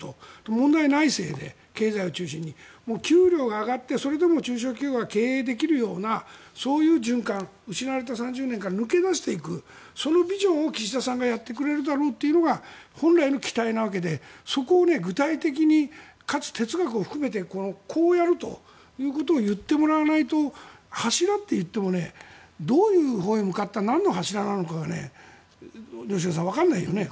問題は内政で、経済を中心に給料が上がって、それでも中小企業が経営できるようなそういう循環失われた３０年から抜け出していく、そのビジョンを岸田さんがやってくれるだろうというのが本来の期待なわけでそこを具体的にかつ、哲学を含めてこうやるということを言ってもらわないと柱って言ってもどういうほうへ向かったなんの柱なのかが吉永さん、わからないよね。